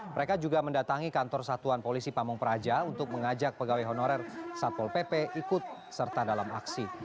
mereka juga mendatangi kantor satuan polisi pamung praja untuk mengajak pegawai honorer satpol pp ikut serta dalam aksi